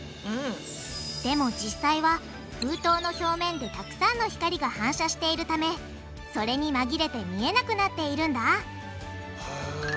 でも実際は封筒の表面でたくさんの光が反射しているためそれに紛れて見えなくなっているんだへぇ。